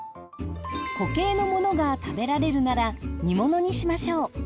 固形のものが食べられるなら煮物にしましょう。